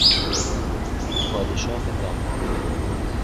پادشاه دانمارک